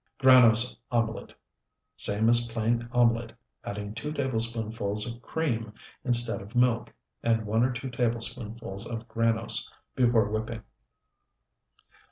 GRANOSE OMELET Same as plain omelet, adding two tablespoonfuls of cream instead of milk, and one or two tablespoonfuls of granose, before whipping.